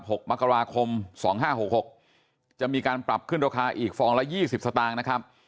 หกมกราคมสองห้าหกหกจะมีการปรับขึ้นราคาอีกฟองละยี่สิบสตางค์นะครับ